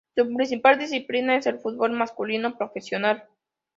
Su principal disciplina es el fútbol masculino profesional.